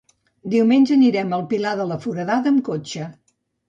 Diumenge anirem al Pilar de la Foradada amb cotxe.